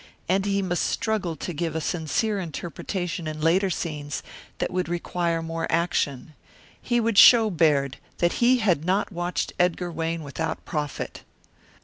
And he must struggle to give a sincere interpretation in later scenes that would require more action. He would show Baird that he had not watched Edgar Wayne without profit.